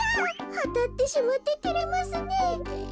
あたってしまっててれますねえ。